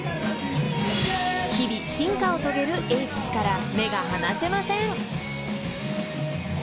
［日々進化を遂げるＡｐｅｓから目が離せません］